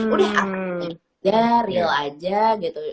udah real aja gitu